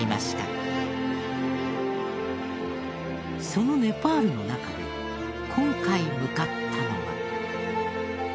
そのネパールの中で今回向かったのは。